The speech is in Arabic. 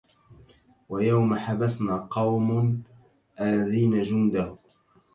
ويوم حبسنا قوم آذين جنده